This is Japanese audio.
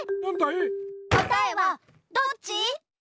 こたえはどっち？